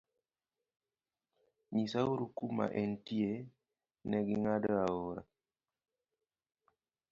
Nyisa uru kuma entie negi ng'ado aora.